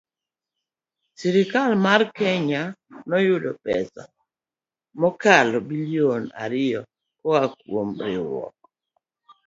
Sirkal mar Kenya noyudo pesa mokalo bilion ariyo koa kuom riwruok